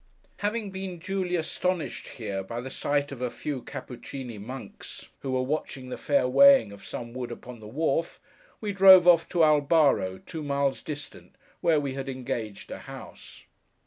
Having been duly astonished, here, by the sight of a few Cappucini monks, who were watching the fair weighing of some wood upon the wharf, we drove off to Albaro, two miles distant, where we had engaged a house.